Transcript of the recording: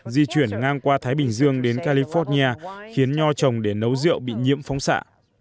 di chuyển ngang qua thái bình dương đến california khiến nho trồng để nấu rượu bị nhiễm phóng xạ